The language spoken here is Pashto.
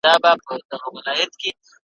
هر ګړی بدلوي غېږ د لونډه ګانو `